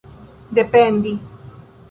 dependi